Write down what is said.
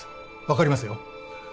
分かりますよ。